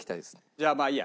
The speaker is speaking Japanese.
じゃあまあいいや。